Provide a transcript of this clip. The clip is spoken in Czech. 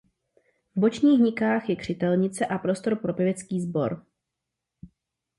V bočních nikách je křtitelnice a prostor pro pěvecký sbor.